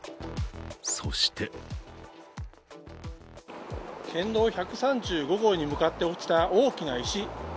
そして県道１３５号に向かって落ちた大きな石。